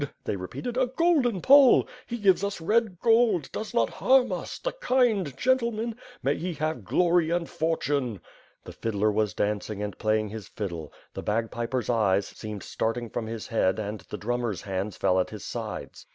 they repeated, "A golden Pole. He gives us red gold, does not harm us, the kind gentleman. May he have glory and for tune!" The fiddler was dancing and playing his fiddle, the bagpiper's eyes seem starting from his head and the drum mer^s hands fell at his sides.